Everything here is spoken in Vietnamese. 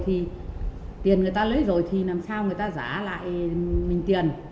thì tiền người ta lấy rồi thì làm sao người ta giả lại mình tiền